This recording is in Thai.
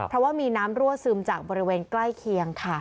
แล้วก็มีน้ำรั่วซึมจากบริเวณใกล้เคียง